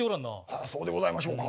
あそうでございましょうか。